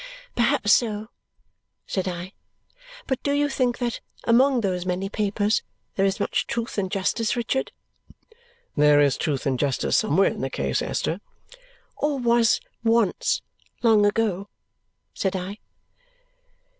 "Perhaps so," said I. "But do you think that, among those many papers, there is much truth and justice, Richard?" "There is truth and justice somewhere in the case, Esther " "Or was once, long ago," said I.